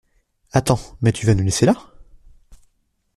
Attends mais tu vas nous laisser là?